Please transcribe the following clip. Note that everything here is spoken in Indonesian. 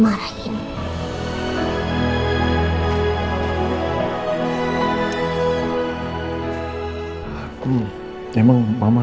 kalau jangan sayang ke mama